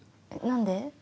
何で？